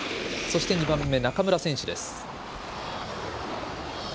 そして、２番目中村選手です。